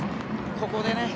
ここでね。